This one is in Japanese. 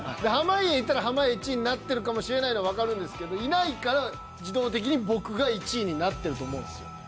濱家いたら濱家１位になってるかもしれないのわかるんですけどいないから自動的に僕が１位になってると思うんですよ。